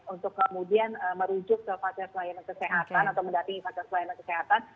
untuk kemudian merujuk ke fasilitas layanan kesehatan atau mendatangi fasilitas pelayanan kesehatan